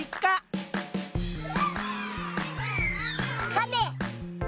かめ！